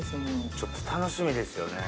ちょっと楽しみですよね。